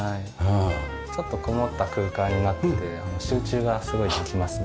ちょっとこもった空間になってて集中がすごいできますね。